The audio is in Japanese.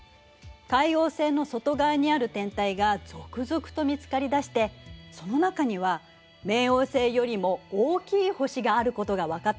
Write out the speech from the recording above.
海王星の外側にある天体が続々と見つかりだしてその中には冥王星よりも大きい星があることが分かったの。